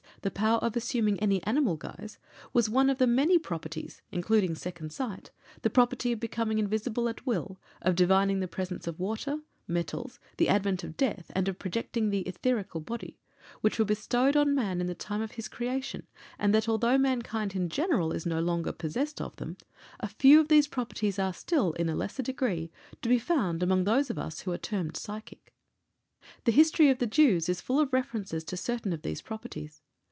_, the power of assuming any animal guise, was one of the many properties including second sight, the property of becoming invisible at will, of divining the presence of water, metals, the advent of death, and of projecting the etherical body which were bestowed on man at the time of his creation; and that although mankind in general is no longer possessed of them, a few of these properties are still, in a lesser degree, to be found among those of us who are termed psychic. The history of the Jews is full of references to certain of these properties.